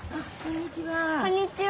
こんにちは。